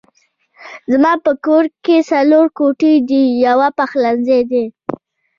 زما په کور کې څلور کوټې دي يو پخلنځی دی